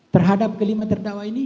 terhadap kelima terdakwa ini